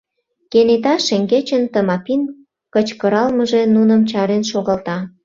Кенета шеҥгечын Тымапин кычкыралмыже нуным чарен шогалта: